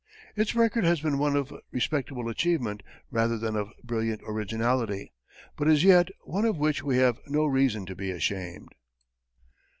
Its record has been one of respectable achievement rather than of brilliant originality, but is yet one of which we have no reason to be ashamed.